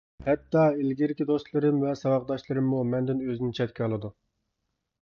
ھەتتا ئىلگىرىكى دوستلىرىم ۋە ساۋاقداشلىرىممۇ مەندىن ئۆزىنى چەتكە ئالىدۇ.